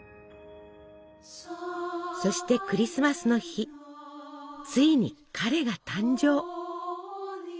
そしてクリスマスの日ついに「彼」が誕生！